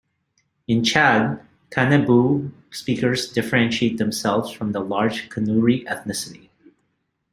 In Chad, Kanembu speakers differentiate themselves from the large Kanuri ethnicity.